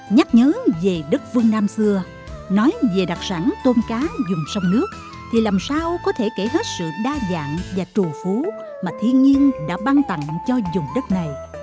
nhắc nhớ về đất vương nam xưa nói về đặc sản tôm cá dùng sông nước thì làm sao có thể kể hết sự đa dạng và trù phú mà thiên nhiên đã ban tặng cho dùng đất này